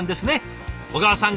小川さん